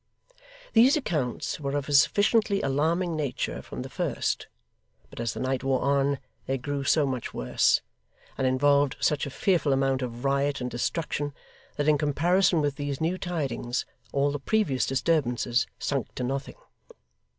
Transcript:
These accounts were of a sufficiently alarming nature from the first; but as the night wore on, they grew so much worse, and involved such a fearful amount of riot and destruction, that in comparison with these new tidings all the previous disturbances sunk to nothing.